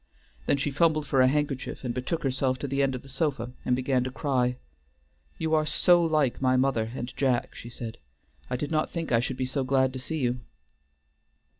Then she fumbled for a handkerchief, and betook herself to the end of the sofa and began to cry: "You are so like my mother and Jack," she said. "I did not think I should be so glad to see you."